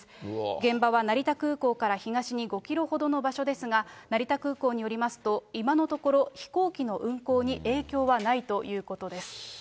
現場は成田空港から東に５キロほどの場所ですが、成田空港によりますと、今のところ、飛行機の運航に影響はないということです。